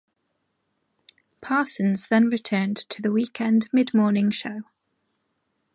Parsons then returned to the weekend mid-morning show.